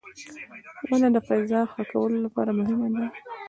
• ونه د فضا ښه کولو لپاره مهمه ده.